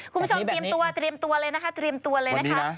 คุณผู้ชมเตรียมตัวเลยนะคะเพียงแค่